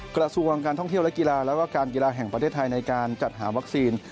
กระทรวงการท่องเที่ยวและกีฬาแล้วก็การกีฬาแห่งประเทศไทยในการจัดหาวัคซีน